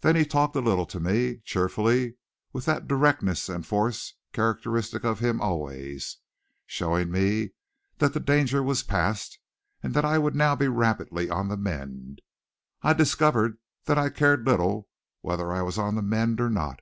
Then he talked a little to me, cheerfully, with that directness and force characteristic of him always, showing me that the danger was past, and that I would now be rapidly on the mend. I discovered that I cared little whether I was on the mend or not.